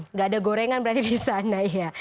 nggak ada gorengan berarti di sana ya